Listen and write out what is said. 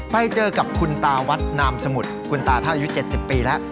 ไปเจอกับคุณตาวัดนามสมุทรคุณตาเท่าอายุ๗๐ปีแล้ว